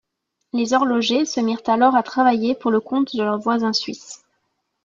Les horlogers se mirent alors à travailler pour le compte de leurs voisins suisses.